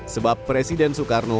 sebab presiden soekarno